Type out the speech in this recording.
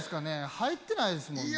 入ってないですもんねこれ。